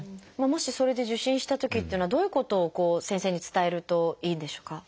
もしそれで受診したときっていうのはどういうことを先生に伝えるといいんでしょうか？